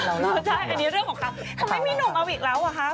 ใช่อันนี้เรื่องของครับทำไมไม่มีหนุ่มเอาอีกแล้วอ่ะครับ